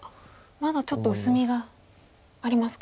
まだちょっと薄みがありますか。